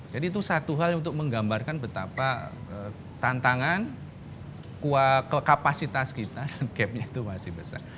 jadi itu satu hal untuk menggambarkan betapa tantangan kapasitas kita dan gapnya itu masih besar